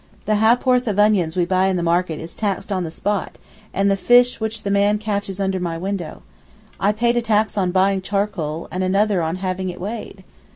The ha'porth of onions we buy in the market is taxed on the spot, and the fish which the man catches under my window. I paid a tax on buying charcoal, and another on having it weighed.